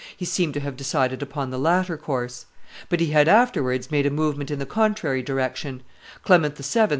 he seemed to have decided upon the latter course; but he had afterwards made a movement in the contrary direction; Clement VII.